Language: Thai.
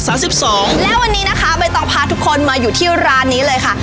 แล้ววันนี้นะคะใบตองพาทุกคนมาอยู่ที่ร้านนี้เลยค่ะ